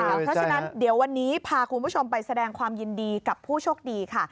เพราะฉะนั้นเดี๋ยววันนี้พาคุณผู้ชมไปแสดงความยินดีกับผู้โชคดีค่ะ